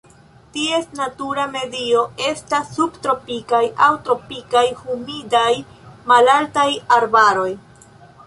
Ties natura medio estas subtropikaj aŭ tropikaj humidaj malaltaj arbaroj.